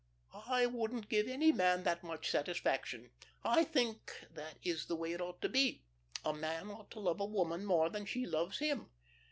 "I wouldn't give any man that much satisfaction. I think that is the way it ought to be. A man ought to love a woman more than she loves him.